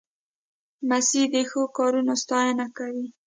لمسی د ښو کارونو ستاینه کوي.